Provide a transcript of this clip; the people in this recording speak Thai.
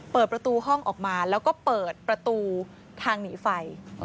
เปิดประตูห้องออกมาแล้วก็เปิดประตูทางหนีไฟ